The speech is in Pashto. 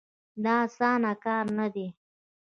دا اسانه کار نه دی.